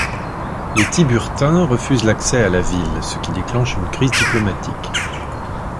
Les Tiburtins refusent l'accès à la ville, ce qui déclenche une crise diplomatique.